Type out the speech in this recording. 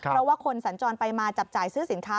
เพราะว่าคนสัญจรไปมาจับจ่ายซื้อสินค้า